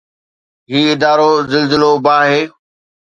هي ادارو زلزلو، باهه